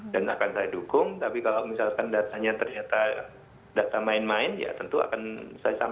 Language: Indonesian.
dan akan saya dukung tapi kalau misalkan datanya ternyata data main main ya tentu akan saya